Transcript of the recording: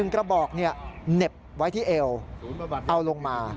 กระบอกเหน็บไว้ที่เอวเอาลงมา